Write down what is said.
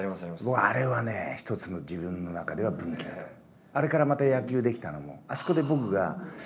僕あれはね一つ自分の中では分岐だと思う。